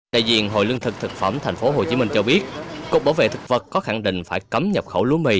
đại diện hội lương thực thực phẩm tp hcm cho biết cục bảo vệ thực vật có khẳng định phải cấm nhập khẩu lúa mì